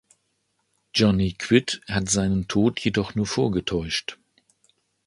Johnny Quid hat seinen Tod jedoch nur vorgetäuscht.